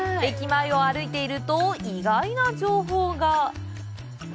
駅前を歩いていると意外な情報が！